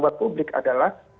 buat publik adalah